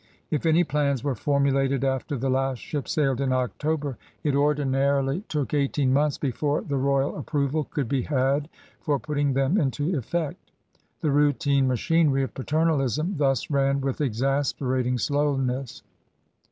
If any plans were formulated after the last ship sailed in October, it ordinarily FRANCE OF THE BOURBONS IS took eighteen months before the royal approval could be had for putting them into effect. The routine machinery of paternalism thus ran with exasperating slowness.